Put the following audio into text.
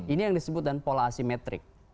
ini yang disebut dan pola asimetrik